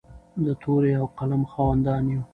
د تورې او قلم خاوندان یو.